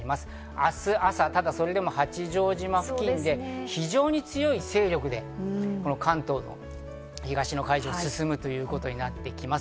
明日朝、八丈島付近で非常に強い勢力で、関東の東の海上に進むということになってきます。